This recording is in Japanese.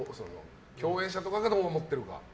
共演者がどう思ってるか。